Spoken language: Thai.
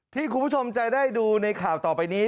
ที่คุณผู้ชมจะได้ดูในข่าวต่อไปนี้